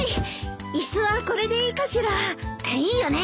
椅子はこれでいいかしら？いいよね？